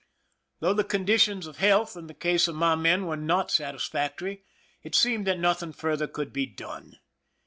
Though the conditions of health in the case of my men were not satisfactory, it seemed that nothing further could be done.